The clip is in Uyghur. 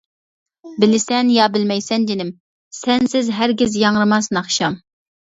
بىلىسەن يا بىلمەيسەن جېنىم، سەنسىز ھەرگىز ياڭرىماس ناخشام.